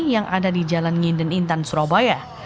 yang ada di jalan nginden intan surabaya